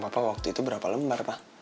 emang papa waktu itu berapa lembar pak